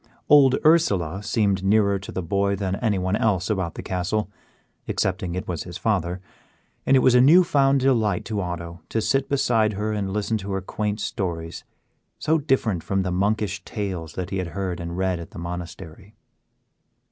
Old Ursela seemed nearer to the boy than anyone else about the castle, excepting it was his father, and it was a newfound delight to Otto to sit beside her and listen to her quaint stories, so different from the monkish tales that he had heard and read at the monastery.